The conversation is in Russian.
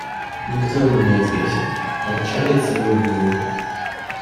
Никто ему не ответил; молчали целую минуту.